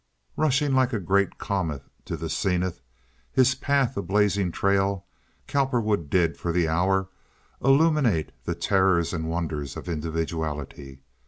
Rushing like a great comet to the zenith, his path a blazing trail, Cowperwood did for the hour illuminate the terrors and wonders of individuality.